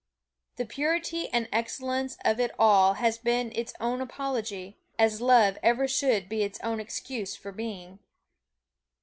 The purity and excellence of it all has been its own apology, as love ever should be its own excuse for being.